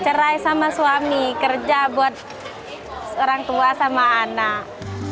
cerai sama suami kerja buat orang tua sama anak